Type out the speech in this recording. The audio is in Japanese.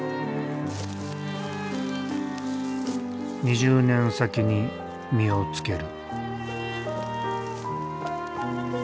２０年先に実をつける。